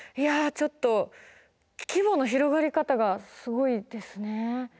ちょっと規模の広がり方がすごいですね。